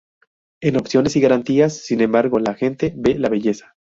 En opciones y garantías, sin embargo, la gente ve la belleza.